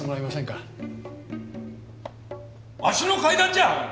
わしの階段じゃ！